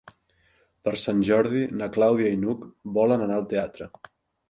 Per Sant Jordi na Clàudia i n'Hug volen anar al teatre.